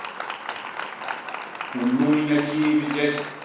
U nnuyne kii bijek?